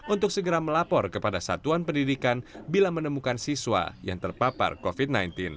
untuk segera melapor kepada satuan pendidikan bila menemukan siswa yang terpapar covid sembilan belas